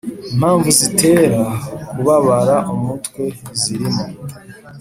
impamvu zitera kubabara umutwe zirimo